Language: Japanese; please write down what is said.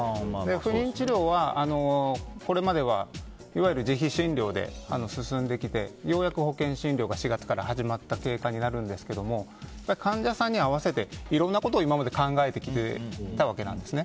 不妊治療は、これまではいわゆる自費診療で進んできて、ようやく保険診療が４月から始まった経過になるんですが患者さんに合わせていろんなことを今まで考えてきていたわけなんです。